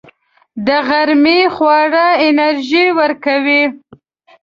د غرمې خواړه انرژي ورکوي